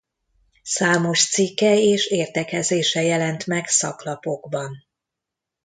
Számos cikke és értekezése jelent meg szaklapokban.